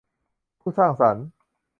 ผู้สร้างสรรค์